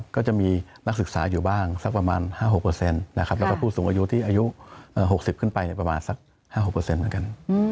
ก็จะมีนักศึกษาอยู่บ้างสักประมาณ๕๖เปอร์เซ็นต์แล้วก็ผู้สูงอายุที่อายุ๖๐ขึ้นไปประมาณสัก๕๖เปอร์เซ็นต์เหมือนกัน